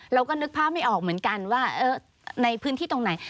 เราก็นึกภาพไม่ออกเหมือนกันว่าในพื้นที่ตรงไหน